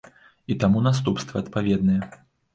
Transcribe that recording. І таму наступствы адпаведныя.